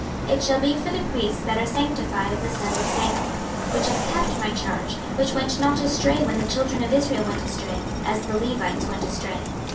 26:048:011 It shall be for the priests that are sanctified of the sons of Zadok; which have kept my charge, which went not astray when the children of Israel went astray, as the Levites went astray.